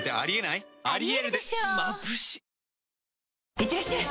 いってらっしゃい！